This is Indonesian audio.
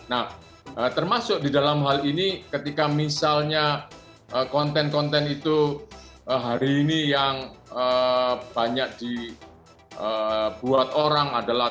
nah termasuk di dalam hal ini ketika misalnya konten konten itu hari ini yang banyak dibuat orang adalah